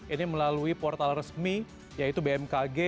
ini melalui portal resmi yaitu bmkg